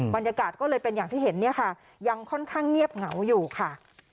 บรรยากาศก็เลยเป็นอย่างที่เห็นเนี่ยค่ะยังค่อนข้างเงียบเหงาอยู่ค่ะ